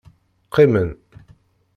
Qqimen.